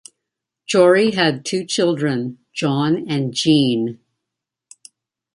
Jory had two children, Jon and Jean.